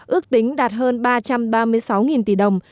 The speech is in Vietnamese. ước tính đạt hơn ba trăm ba mươi sáu tỷ đồng